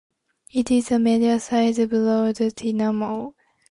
It is a medium-sized, brown tinamou.